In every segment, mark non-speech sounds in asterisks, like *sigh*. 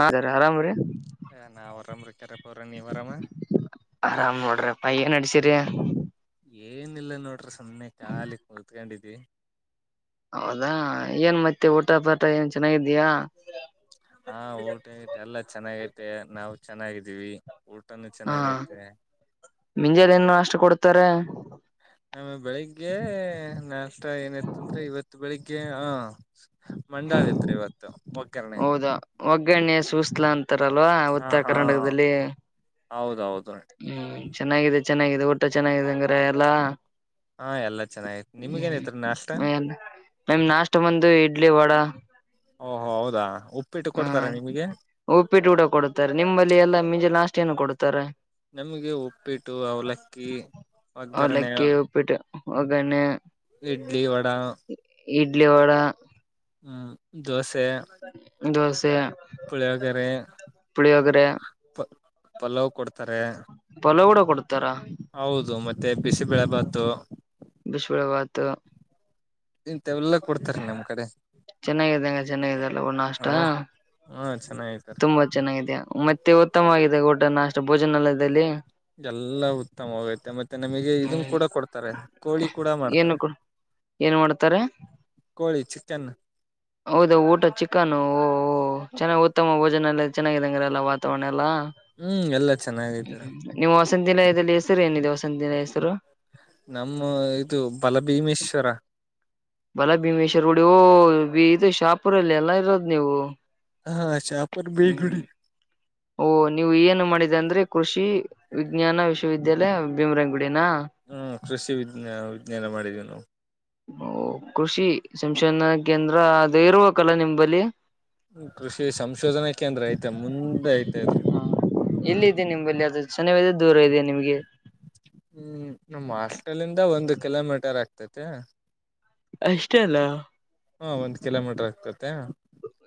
ಹದರಿ ಆರಾಮ್ರೀ ನಾ ವರಾಮರ್ತಾರೆ ಪ್ರ ನೀ ವರಾಮ ಅ ಏನ್ ನಡಸಿರಿ ಏನಿಲ್ಲ ನೋಡ್ರಿ ಸುಮ್ಮ್ನೆ ಕಾಲಿ ಕುತ್ಕೊಂಡಿದಿ ಹೌದಾ ಏನ್ ಮತ್ತೆ ಊಟ ಪಾಟ ಏನ್ ಚೆನ್ನಾಗ ಹಾ ಊಟಗತೆ ಎಲ್ಲ ಚೆನ್ನಾಗೈತೆ ನಾವು ಚೆನ್ನಾಗಿದ್ದೀವಿ ಊಟನು ಹಾ ಚೆನ್ನಾಗೈತೆ ಮಿಂಜಾಲ ಇನ್ನು ಅಷ್ಟು ಕೊಡ್ತಾರೆ ನಮ ಬೆಳಿಗ್ಗೆ ನಾಷ್ಟ ಏನತ್ತ ಅಂದ್ರೆ ಇವತ್ತು ಬೆಳಿಗ್ಗೆ ಹ ಮ ಅಂಗಯತ್ರಿ ಇವತ್ತು ಒಗ್ಗರಣೆ ಹೌದಾ ಒಗ್ಗರಣೆ ಸೂಸ್ಲಾ ಅಂತ ರಲ್ವಾ ಹಾ ಉತ್ತರ ಹಾ ಕರ್ನಾಟಕದಲ್ಲಿ ಹೌದೌದು ಹ್ಮ್ ಚೆನ್ನಾಗಿದೆ ಚೆನ್ನಾಗಿದೆ ಒ ಇಷ್ಟ ಚೆನ್ನಾಗಾಗಿದೆಂಗ್ರ ಎಲ್ಲಾ ಹಾ ಎಲ್ಲಾ ಚೆನ್ನಾಗೈತ್ ನಿಮ್ಗೇನೈತ್ರಿ ನಾಷ್ಟ ಹ್ಮ ಮಮ್ ನಾಷ್ಟ ಬಂದು ಇಡ್ಲಿ ವಡ ಓಹೋ ಹೌದಾ ಉಪ್ಪಿಟ್ಟು ಹಾ ಕೊಡ್ತಾರ ನಿಮಗೆ ಉಪ್ಪಿಟ್ಟ ಊಡ ಕೊಡತಾರೆ ನಿಮ್ಮಲ್ಲಿ ಎಲ್ಲಾ ಮಿಂಜಿ ನಾಷ್ಟ ಏನು ಕೊಡತಾರ ನಮಗೆ ಉಪ್ಪಿಟ್ಟು ಅವಲಕ್ಕಿ ಒಗ್ಗರಣೆ ಅದೇ ಇಡ್ಲಿ ವಡಾ ಇಡ್ಲಿ ವಡ ಹ್ಮ್ ದಸ್ ಜೋಸ ಪುಳಗ್ಯರೆ ಪಲಾವ್ ಕೊಡ್ತಾರೆ ತಲ ಕೂಡ ಕೊಡ್ತಾರಾ ಹೌದು ಮತ್ತೆ ಬಿಸಿಬಳೆ ಭಾತು ಬಿಸಿಬೇಳೆ ಬಾತ್ ಇಂತ ಎಲ್ಲಾ ಕೊಡ್ತಾರ ನಮ್ ಕಡೆ ಚೆನ್ನಾಗಿದ್ದಂಗ ಚೆನ್ನಾಗಾಗಿದೆಲ್ಲ ಹೂಣ ಅಷ್ಟ ಹ ಹಾ ಚೆನ್ನಾಗತಾರೆ ತುಂಬಾ ಚೆನ್ನಾಗಿದೆ ಮತ್ತೆ ಉತ್ತಮವಾಗಿದೆ ಊಡನ ಅಷ್ಟು ಭೋಜನಾಲಯದಲ್ಲಿ ಎಲ್ಲ ಉತ್ತಮ ಹೋಗೈತೆ ಮತ್ತೆ ನಮಗೆ ಇದನ್ ಹ್ಮ್ ಕೂಡ ಕೊಡ್ತಾರೆ ಕೋಳಿ ಕೂಡ ಏನು ಮಾಡ್ತಾರೆ ಏನ್ ಮಾಡ್ತ ಕೋಳಿ ಚಿಕನ್ ಹೌದ ಊಟ ಚಿಕನ್ ಓ ಒ ಚೆನ್ನಾಗ್ ಉತ್ತಮ ಭೋಜನ ಎಲ್ಲ ಚೆನ್ನಂಗ್ರ ಎಲ್ಲ ವಾತಾವರಣ ಹ್ಮ್ ಎಲ್ಲಾ ಚೆನ್ನಾಗಿದ್ದಾರೆ ಎಲ್ಲ್ಮವು *unintelligible* ವಸಂತಿಲಯದಲ್ಲಿ ಹೆಸರು ಏನಿದೆ ವಸಂತಿನ ಹೆಸರು ನಮ್ಮ ಇದು ಬಲಭೀಮೇಶ್ವರ ಬಲ ಭೀಮೇಶ್ವರ್ ಉಡಿ ಓ ಇದು ಶಾಪುರಲ್ಲಿ ಎಲ್ಲಾ ಇರೋದ್ ನೀವು ಹ ಅ ಶಾಪೂರ ಬಿಗುಡಿ ಮಾಡಿದೆ ಅಂದ್ರೆ ಕೃಷಿ ವಿಜ್ಞಾನ ವಿಶ್ವವಿದ್ಯಾಲಯ ಭೀಮರಂಗುಡಿ ಹ್ಮ್ ಕೃಷಿ ವಿಜ್ಞ ವಿಜ್ಞಾನ ಮಾಡಿದೀವಿ ನಾವು ಓ ಕೃಷಿ ಸಂಶೋಧನಾ ಕೇಂದ್ರ ಅದ ಇರ್ರುವಕಲ್ಲ ನಿಮಂಬಲ್ಲಿ ಕೃಷಿ ಸಂಶೋಧನೆ ಕೇಂದ್ರ ಐತೇ ಮುಂದೆ ಐ್ತ ಇದ್ರೆ ಇಲ್ಲಿದೆದೆ ನಿಂಬಲ್ಲಿ ಅದು ಚೆನ್ನದೆ ದೂರ ಇದೇನೆ ಹ್ಮ್ ನಮ್ಮ ಹಾಸ್ಟೆಲ್ ಇಂದ ಒಂದು ಕಿಲೋಮೀಟರ್ ಆಗ್ತತೆ ಅಷ್ಟೇ ಅಲ್ಲ ಹಾ ಒಂದ್ ಕಿಲೋಮೀಟರ್ ಆಗ್ತತೆ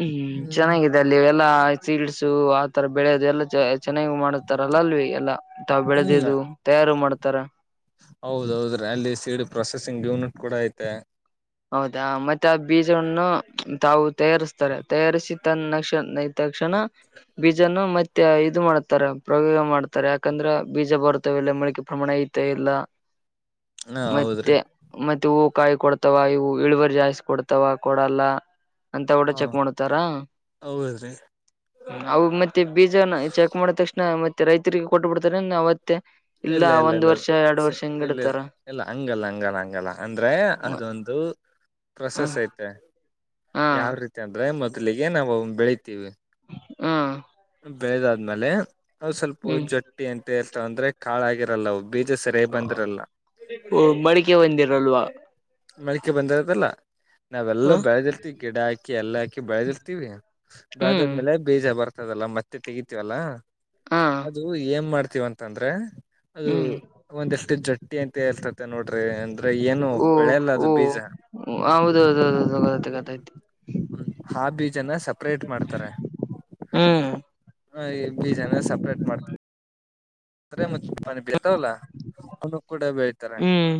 ಹ್ಮ್ ಚೆನ್ನಾಗಿದೆ ಅಲ್ಲಿವೆಲ್ಲಾ ಸೀಡ್ಸು ಆತರ ಬೆಳೆಯೋದು ಎಲ್ಲ ಚೆನ್ನಾಗ ಮಾಡತಾರಲ್ಲ ಅಲ್ವಿ ಎಲ್ಲಾ ತಾವ ಬೆಳೆದು ತಯಾರು ಮಾಡ್ತಾರ ಹೌದೌದ್ರೀ ಅಲ್ಲಿ ಸೀಡ್ ಪ್ರೊಸೆಸಿಂಗ್ ಯೂನಿಟ್ ಕೂಡ ಐತೆ ಬಜವನ್ನು ತಾವು ತಯಾರಿಸ್ತಾರೆ ತಯಾರಿಸಿ ತನ್ನಕ್ಷ ತಕ್ಷಣ ಬೀಜವನ್ನು ಮತ್ತೆ ಇದು ಮಾಡ್ತಾರೆ ಪ್ರಯೋಗ ಮಾಡ್ತಾರೆ ಯಾಕಂದ್ರೆ ಬೀಜ ಬರುತ್ತವೆಲ್ಲ ಮಳಿಕೆ ಪ್ರಮಾಣ ಐತ ಇಲ್ಲ ಹಾ ಹೌದ್ರಿ ಮತ್ತೆ ಮತ್ತೆ ಹೂ ಕಾಯಿ ಕೊಡ ತವ ಇವು ಇಳುವರ್ ಜಾಯಸ್ ಕೊಡ್ತಾವ ಕೊಡಲ್ಲ ಅಂತ ಊಡ ಹಾ ಚೆಕ್ ಮಾಡತಾರ ಹೌದ್ರಿ ಅ ಮತ್ತೆ ಬೀಜನ ಚೆಕ್ ಮಾಡ ತಕ್ಷಣ ಮತ್ತೆ ರೈತರಿಗೆ ಕೊಟ್ಟ ಬಿಡ್ತಾರ ಅವತ್ ಇಲ್ಲ ಇಲ್ಲ ಇಲ್ಲ ಹಿಂಗ್ ಇಲ್ಲ ಇಡ್ತಾರ ಇಲ್ಲ ಹಂಗಲ್ಲ ಹಂಗಲ್ಲ ಹಂಗಲ್ಲ ಅಂದ್ರೆ ಹ ಅದೊಂದು ಹಾ ಪ್ರೊಸೆಸ್ ಐತೆ ಯಾವ ರೀತಿ ಅಂದ್ರೆ ಮ ಲಿಗೆ ನಾವು ಬೆಳಿತೀವಿ ಹಾ ಬೆಳೆದಾದ್ಮೇಲೆ ನಾವು ಸ್ವಲ್ಪ ಹ್ಮ್ ಜೊಟ್ಟಿ ಅಂತೇಳ್ತಾವ ಅಂದ್ರೆ ಕಾಳಾಗಿರಲ್ಲ ಒಬ್ ಓ ಮಡಿಕೆ ಹೊಂದಿರಲ್ವಾ ಮಳಿಕೆ ಬಂದಿರದಲ್ಲ. ನಾವೆಲ್ಲ ಬೆಳೆದಿರ್ತಿೀವಿ ಗಿಡ ಹಾಕಿ ಎಲ್ಲ ಹಾಕಿ ಬೆಳೆದಿರ್ತಿೀವಿ ಹ್ಮ್ ಬೆಳದದ್ಮೇಲೆ ಬೀಜ ಬರುತ್ *unintelligible* ಮತ್ತೆ ತಗಿತಿವೀಅಲಾ ಹಾ ಅದು ಏನ್ ಮಾಡ್ತೀವಿ ಅಂತಂದ್ರೆ. ಅದು ಹ್ಮ್ ಒಂದೆಷ್ಟು ಜಟ್ಟಿ ಅಂತ ಹೇಳ್ತತೆ ನೋಡ್ರಿ ಅಂದ್ರೆ ಏನು ಓ ಬೆಳೆಲ್ಲ ಅದು ಓ ಬೀಜ ಹೌದೌದು *unintelligible* ಹಾ ಬೀಜನ ಸಪ್ರೇಟ್ ಮಾಡ್ತಾರೆ ಹ್ಮ್ ಹ ಬೀಜನ ಸಪ್ರೇಟ್ ಮಾಡ ಮು ಪಾನಿ ಇರ್ತಾವಲ್ಲ ಅವ ಕೂಡ ಬೆಳ್ತಾರೆ ಹ್ಮ್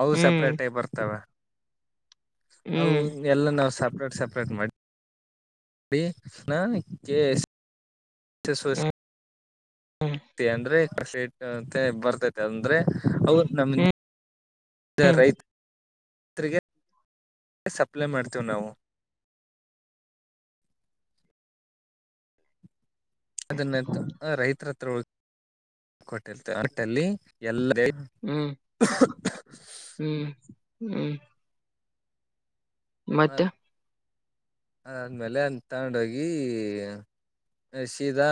ಅವು ಹ್ಮ್ ಸೆಪ್ರೇಟೇ ಬರ್ತವೆ ಅ ಹ್ಮ್ ಎಲ್ಲ ನಾವ್ ಸಪ್ರೇಟ್ ಸಪ್ರೇಟ್ ಮಾಡಿ ಅಡಿ ನಾ ಕೆೇ ಎಸ್ *unintelligible* ಹ್ಮ್ ಅಂದ್ರೆ *unintelligible* ಬರ್ತಾತೆ ಅಂದ್ರೆ. ಅವತ್ ನಮ್ಗೆ. ಹ್ಮ್ ರೈತ *unintelligible* ರಿಗೆ. ಸಪ್ಲೈ ಮಾಡ್ತೇವಿ ನಾವು. ಅದನ್ನ ರೈತರ ಹತ್ರ *unintelligible* ಯಲ್ಲ. *unintelligible* ಹ್ಮ್ ಹ್ಮ್ ಹ್ಮ್ ಮತ್ತೆ. ಆದ್ಮೇಲೆ ಅ ತೊಂಡ ಹೋಗಿ. ಸೀದಾ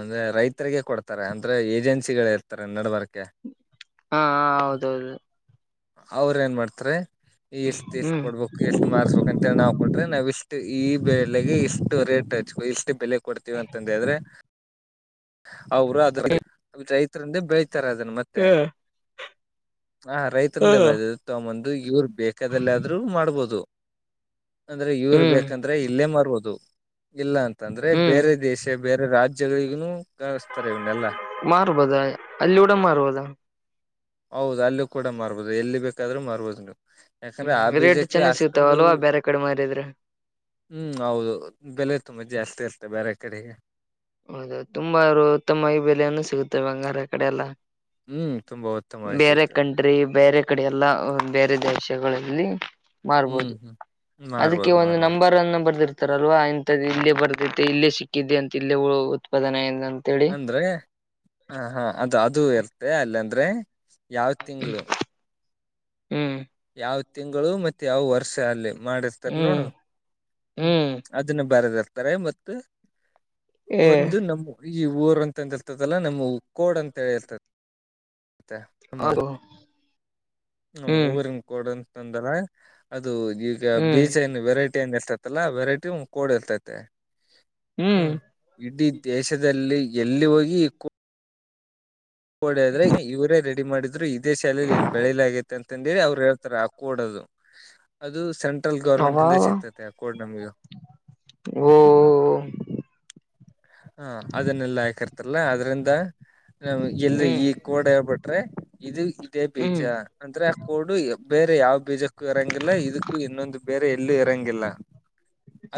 ಅಂದ್ರೆ ರೈತರಿಗೆ ಕೊಡ್ತಾರೆ ಅಂದ್ರ ಏಜೆನ್ಸಿಗಳು ಇರ್ತಾರೆ ನಡ ಬರಕೆ. ಹಾ ಹೌದೌದು. ಅವ್ರ ಏನ್ ಮಾಡ್ತಾರೆ. ಈಷ್ಟು ಈಷ್ಟು ಹ್ಮ್ ಕೊಡ್ಬೇಕು ಈಷ್ಟು ಮಾರ್ಸ್ಬೇಕ ಅಂತೇಳಿ ನಾವ್ ಕೊಟ್ರೆ ನಾವ್ ಇಷ್ಟು ಈ ಬೆಳೆಗೆ ಈಷ್ಟು ರೇಟ್ ಐತಿ. ವಷ್ಟೇ ಬೆಲೆ ಕೊಡ್ತೀವಿ ಅಂತಂದ ಹೇಳ್ರೆ ಅವರು *unintelligible* ಅದ್ರ. *unintelligible* *unintelligible* ಬೆಳತಾರೆ ಅದನ್ನ ಮತ್ತೆ. ಹಾ ರೈತನ ದ ಬೆಳದ ತಂದು ಇವ್ರು ಬೇಕಾದಲ್ಲ ಆದ್ರರು ಮಾಡ್ಬೋದು. ಅಂದ್ರೆ ಇವ್ರ ಹ್ಮ್ ಬೇಕಂದ್ರೆ ಇಲ್ಲೇ ಮರ್ಬದು ಇಲ್ಲ ಅಂತಂದ್ರೆ ಹ್ಮ್ ಬೇರೆ ದೇಶ. ಬೇರೆ ರಾಜ್ಯಗಳಿಗನು. *unintelligible* ಮಾರ ಬದಾ ಅಲ್ಲಿ ಡ ಮಾರಬದ. ಹೌದು ಅಲ್ಲಿ ಕೂಡ ಮಾರ್ಬೋದು ಎಲ್ಲಿ ಬೇಕಾದ್ರರು ಮರ್ಬೋದು ನೀವು. ಎಕರ ಹ್ಮ್ ಆ ರೇಟ್ *unintelligible* ಚೆನ್ನಾಗ್ ಸಿಗ್ತಾವ ಆಷ್ಟತಂದು. ಅಲ್ವಾ ಬೇರೆ ಕಡೆ ಮಾರಿದ್ರೆ ಹ್ಮ್ ಹೌದು ಬೆಲೆ ತುಂಬಾ ಜಾಸ್ತಿ ಇರ್ತ್ತೆ ಬೇರೆ ಕಡೆಗೆ. ಹೌದ ತುಂಬ *unintelligible* ಉತ್ತಮವಾಗಿ ಬೆಲೆಯನ್ನು ಸಿಗುತ್ತೆ *unintelligible* ಕಡೆ ಎಲ್ಲ ಹ್ಮ್ ತುಂಬಾ ಉತ್ತಮವಾಗಿ ಸಿಗ್ತದೆ. ಈ ಕಡೆ ಎಲ್ಲಾ ಬೇರೆ ದೇಶಗಳಲ್ಲಿ. ಹ್ಮ್ ಮಾರ್ಬೋದು ಹ್ಮ್ ಅದಕ್ಕೆ ಮಾರ್ಬೋದು ಒಂದು ಮಾರ್ಬೋದು ನಂಬರ್ ಅನ್ನ ಬರ್ದಿರ್ತ. ಇತರಲ್ವಾ ಇಥ ಇಲ್ಲೇ ಬರ್ತೈತೆ ಇಲ್ಲೇ ಸಿಕ್ಕಿದ್ದೆ ಅಂತ ಇಲ್ಲೇ ಉತ್ಪಾದನೆ. ಅಂತೇಳಿ ಅಂದ್ರೆ ಹ ಹಾ ಅದು ಅದು *unintelligible* ಅಲ್ಲ ಅಂದ್ರೆ. ಯಾವ ತಿಂಗಳು. ಹ್ಮ್. ಯಾವ ತಿಂಗಳು ಮತ್ತೆ ಯಾವ ವರ್ಷ ಅಲ್ಲಿ. ಮಾಡಿರ್ತಾರ ನೋಡು ಹ್ಮ್ ಹ್ಮ್ ಅದನ್ನ ಬರದರ್ತಾರ ಮತ್. ಒಂದು ಹ್ಮ್ ನಮ್ಮ ಈ ಊರ್ ಅಂತಂತ ಇರ್ತದಲ್ಲ ನಮ್ಮ ಕೋಡ್ ಅಂತ ಹೇಳಿರ್ತದ. *unintelligible* ಹ್ಮ್ ಊರಿನ್ ಕೊಡಂತ ಅನ್ಕೊಂಡರ. ಅದು ಈಗ ಹ್ಮ್ ಬೀಚ್ ಏನ್ ವೆರೈಟಿ ಏನ್ ಇರ್ತೈತಲ್ಲ ವೆರೈಟಿ ಕೋಡ್ ಇರ್ತೈತೆ. ಹ ಹ್ಮ್ ಇಡೀ ದೇಶದಲ್ಲಿ ಎಲ್ಲಿ ಹೋಗಿ. ಕೋಡದ್ರೆ ಇವರೇ ರೆಡಿ ಮಾಡಿದ್ರು ಇದೇ ಶಾಲಲಿ ಇ ಬೆಳೆಯಲ ಆಗೈತೆ ಅಂತಹೆಳೀ ಅವ್ರು ಹೇಳ್ತಾರೆ. ಕೊಡದು ಅದು ಸೆಂ. ಟಲ್ ಗೌರ್ಮೆಂಟ್ಂದ ಅವಾವ ಸಿಗ್ತೈತೆ ಆ ಕೋಡ್ ನಮಗ ಓ ಹಾ ಅದನ್ನೆಲ್ಲಾ ಹಾಕರ್ತಲ್ಲ ಆದದ್ರಿಂದ ನ ಎಲ್ ಈ ಹ್ಮ್ ಕೋಡ್ ಹೇಳ್ಬಿಟ್ರೆ ಇದು ಇದೇ ಬೀಜ ಹ್ಮ್ ಅಂದ್ರೆ ಆ ಕೋಡು ಬೇರೆ ಯಾವ ಬೀಜಕ್ಕೂ ಇರಂಗಿಲ್ಲ ಇದಕ್ಕೂ ಇನ್ನೊಂದು ಬೇರೆ ಎಲ್ಲೂ ಇರಂಗಿಲ್ಲ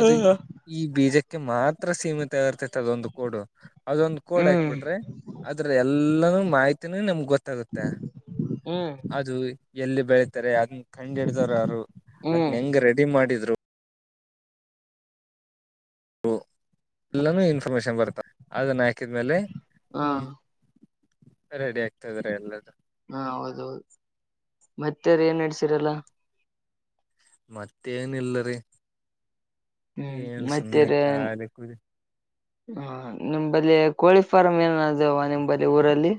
ಅದು ಈ ಬೀಜಕ್ಕೆ ಮಾತ್ರ ಸೀಮಿತ ಆರ್ತದೆ. ಒಂದು ಕೋಡ್ ಅದೊಂದು ಕೋಡ್ ಹಾಕ್ ಹ್ಮ್ ಬಿಟ್ರೆ ಅದ್ರ ಎಲ್ಲಾನೂ ಮಾಹಿತಿನೂ ನಮ್ಗ್ ಗೊತ್ತ. ತಗುತ್ತೆ ಹ್ಮ್ ಅದು ಎಲ್ಲಿ ಬೆಳತಾರೆ ಅದ. ಕಂಡ್ ಹೀಡ್ದರು ಯಾರರು ಹ್ಮ್ ಅದ್ನ್ ಹೆಂಗ ರೆಡಿ ಮಾಡಿದ್ರು. ಎಲ್ಲಾನೂ ಇನ್ಫಾರ್ಮೇಶನ್ ಬರ್ತ್ತ ಅದನ್ನ ಹಾಕಿದ್ಮೇಲೆ. ಹಾ. ಹ್ಮ್ ರೆಡಿ ಆಗ್ತದ್ರ ಎಲ್ಲದುು. ಹಾ ಹೌದೌದು ಮತ್ತೆರ ಏನ್ ನಡ್ಸಿರಲ್ಲ. ಮತ್ತೇ ಯಾನ್ಇಲ್ಲ ರಿ. ಹ್ಮ್ ಏನ್ ಸುಮ್ನೆ. ಮತ್ತೇರ್ *unintelligible* ಹ ನಿಂಬಲ್ಲಿ ಕೋಳಿ ಫಾರಂ್ ಏನ ಅದವ ನಿಮಂಬಲ್ಲಿ ಊರಲ್ಲಿ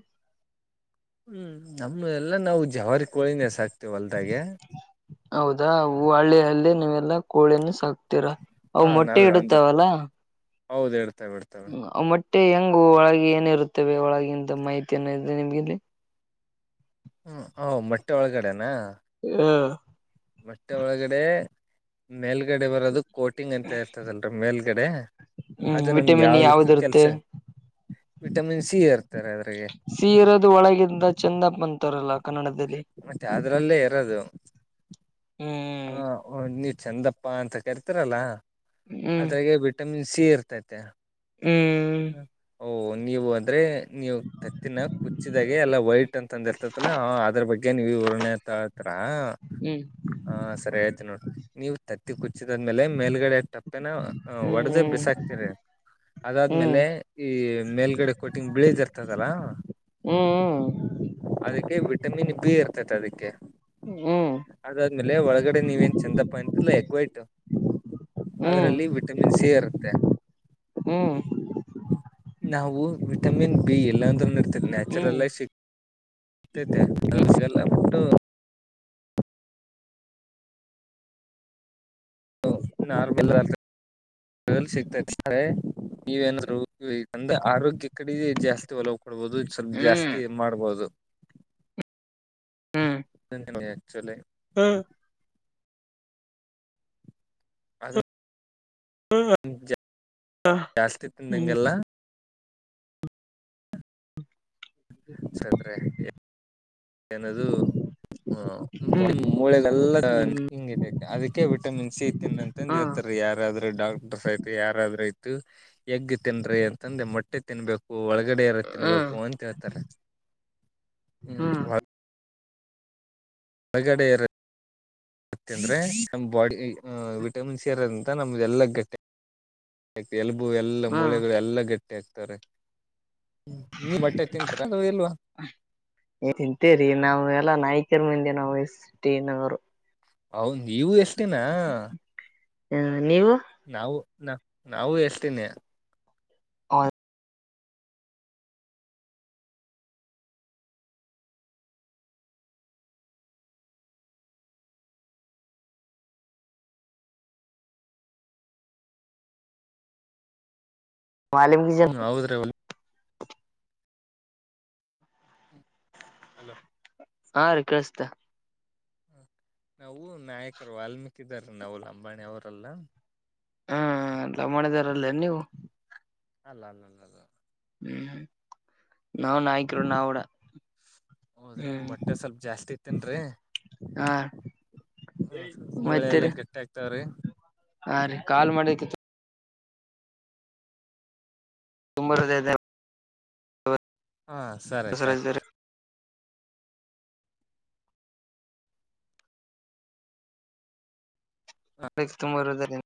ಹ್ಮ್ ನಮ್ಮ ಎಲ್ಲಾ ನಾವು ಜಾವಾರ ಹೌದಾ ಹೂ ಹಳ್ಳಿ ಅಲ್ಲಿ ನೀಲ್ಲ ಎಲ್ಲ ಕೋಳಿಿನ ಸಾಕ್ತಿೀರ ಅ ಹಾ ಮೊಟ್ಟೆ ನಾವೇ ಅಂದ್ರ ಇಡುತ್ತಾವಲ್ಲ ಹೌದ್ ಇಡ್ತವೆ ಬಿಡ್ತೇವೆ ಅಷ್ಟೆ ಹೆಂಗು ಒಳಗೆ ಏನಿ ಇರುತ್ತವೆ ಒಳಗಂತ ಮಾಹಿತಿಯನ್ನ ಇದೆ ನಿಮ್ಗೆಲ್ಲಿ ಹ್ಮ ಹ ಮೊಟ್ಟೆ ಒಳಗಡೆನಾ ಹಾ ಮತ್ತೆ ಒಳಗಡೆ ಮೇಲ್ಗಡೆ ಬರೋದು ಕೋಟಿಂಗ್ ಅಂತ ಹೇರ್ತದಲ್ರಿೀ ಮೇಲ್ಗಡೆ ಹ್ಮ್ ಅದು ನಮ್ಗೆ ವಿಟಮಿನ್ ಯಾವ್ದಕ್ಕ ಕೆಲ್ಸ ಯಾವ್ದಿರುತ್ತೆ ವಿಟಮಿನ್ ಸಿ ಇರ್ತಾರೆ ಅದ್ರಗೆ ಸೀ ಇರೋದು ಒಳಗಿಂದ ಚಂದಪ್ಪ ಅಂತಾರಲ್ಲ ಕನ್ನಡದಲ್ಲಿ ಮತ್ತೆ ಅದ್ರಲ್ಲೇ ಇರೋದು ಹ ಹ್ಮ್ ಒ ನೀ ಚಂದಪ್ಪಾ ಅಂತ ಕರಿತಾರಲ್ಲ ಹ್ಮ್ ಅದ್ರಾಗ ವಿಟಮಿನ್ ಸ ಇರ್ತೈತೆ ಹ್ಮ್ ಓಹ ನೀವು ಅಂದ್ರೆ ನೀವು ತತ್ತಿನ ಕುಚ್ಚಿದಾಗೆ ಎಲ್ಲಾ ವೈಟ್ ಅಂತ ಅಂದ ಇರ್ತತಲಾ ಅದ್ರ ಬಗ್ಗೆ ನೀವುರಣೆತಾತ ಹ ಹ್ಮ್ ಹಾ ಸರಿ ಹೇಳ್ತ ನೋಡ್ ನೀವು ತತ್ತಿ ಕುಿ ಚ್ಚಿದಾದ್ಮೇಲೆ ಮೇಲ್ಗಡೆ ಟಪ್ಪೆನ ಒಡ್ದ ಬಿಸಾಕ್ತಿರಿ ಅದಾದ್ಮೇಲೆ ಹ್ಮ್ ಈ ಮೇಲ್ಗಡೆ ಕೊಟ್ಟಿಂಗ ಬಿಳದ್ ಇರ್ತದಲ್ಲ ಹ್ಮ್ ಅದಕ್ಕೆ ವಿಟಮಿನ್ ಬಿ ಇರ್ತತಿ ಅದಕ್ಕೆ ಹ್ಮ್ ಅದಾದ್ಮೇಲೆ ಒಳಗಡೆ ನೀವ ಏನ್ ಚಂದಪ್ಪ ಅಂತಲ್ಲ ಎಗ್ಗುವಯ್ತು ಹ್ಮ್ ಅದ್ರಲ್ಲಿ ವಿಟಮಿನ್ ಸಿ ಇರುತ್ತೆ್ಮ ಹ್ಮ್ ನಾವು ವಿಟಮಿನ್ ಬಿ ಎಲ್ಲ ಅಂದ್ರೂ ಇರ್ತ ಹ್ಮ್ ಹ್ಮ್ ನ್ಯಾಚುರಲ್ಗ ಸಿ ಮತೈತೆ ಅಸ ಎಲ್ಲ ಬಿಟ್ಟು ಹು ಲ್ ಸಿಗ್ತಾರೆ ನೀವೇನಾದ್ರುಂದೆ ಆರೋಗ್ಯ ಕಡೆಿಗೆ ಜಾಸ್ತಿ ಒಲವು್ ಕೊಡ್ಬಹುದು ಸ್ವಲ್ಪ ಜಾಸ್ತಿ ಮಾಡ್ಬೋದು ಹ್ಮ ಹ ಎಕ್ಚಲಿ ಅದು ಜಾಸ್ತಿ ತಿಂದಂಗೆಲ್ಲ ಸತ್್ರೆ ಏನದು ಹ ಹ್ಮ್ ಮೂಳೆಲ್ಲಾ ಹ್ಮ್ ಹಿಂಗಿದೆ ಅದಕ್ಕೆ ವಿಟಮಿನ್ ಸಿ ತಿನ್ನಂತಂದು ಹಾ ಹೇಳ್ತಾರೆ ಯಾರಾದ್ರೂ ಡಾಕ್ಟರ್ಸ್ ಆಯ್ತು ಯಾರಾದ್ರೂ ಆಯತು ಎಗ್ ತಿನ್್ರಿ ಅಂತಂದ್ರೆ ಮೊಟ್ಟೆ ತಿನ್ಬೇಕು ಒಳಗಡೆ ಇಾರ ಹ್ಮ್ ತಿನ್ಬೇಕು ಅಂತ ಹೇಳ್ತಾರೆ ಹ್ಮ್ ಹೊಳಗಡೆಯರು ಮತ್ತೆ ಅಂದ್ರೆ ನಮ್ಮ ಬಾಡಿ ವಿಟಮಿನ್ ಸಿ ಇರೋದಂತ ನಮ್ದ ಎಲ್ಲ ಗಟ್ಟೆ ಯಾ ಎಲ್ಬೂ ಎಲ್ಲಾ ಹಾ ಮೂಳೆಗಳು ಎಲ್ಲಾ ಗಟ್ಟಿ ಹಾಕ್ತಾರೆ ್ಮ ನೀ ಬಟ್ಟೆ ತಿಂತರ ಅ ಇಲ್ವಾ ತಿಂತೇರಿ ನಾವ ಎಲ್ಲಾ ನಾಯ್ಕರ ಮುಂದೆ ನ ವಯಸ್ಸಟನವರು ಹೌನ್ ನೀವು ಎಷ್ಟಿನ ಹಾ ನೀವು ನಾವು ನ ನಾವು ಎಷ್ಟತಿನಿ ಹ ಮಾಲಿಮ ಜ ಹ್ಮ ಹೌದ್ರಿ ಹಲೋ ಹಾ ರೀ ಕೇಳಿಸತ ನಾವು ನಾಯಕರು ವಾಲ್ಮೀಕಿದಾರ ನಾವು ಅಂಬಾಣಿ ಅವರೆಲ್ಲ ಹ್ಮ ಎಲ್ಲ ಮಾಡಿದಾರಲ್ಲೇ ನೀವು ಅಲ್ಲ ಅಲ್ಲಲ್ಲ ಅ ಹ್ಮ್ ನಾವ್ ನಾಯಕರು ನಾವಡ ಹೌದ್ರಿ ಮೊಟ್ಟೆ ಸ್ವಲ್ಪ ಜಾಸ್ತಿ ಇತೇನ್ರೀ ಹಾ ಹ್ಮ ಕುಂಬಳೆ ಎಲ್ಲ ಮತ್ತೇರಿ ಗಟ್ಟಿ ಆಗ್ತವ್ರಿ ಹಾ ರೀ ಕಾಲ್ ಮಾಡಿದಕ್ಕೆ ತುಂಬ ಹದ ಹಾಂ ಸರಿ ತ್ಯಾಂಕ್ ಯು ಬ ತುಂಬರುವುದರಿಂದ